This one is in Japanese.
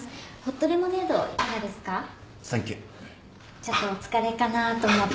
ちょっとお疲れかなと思って。